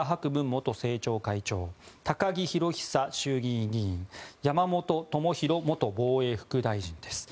元政調会長高木宏壽衆議院議員山本朋広元防衛副大臣です。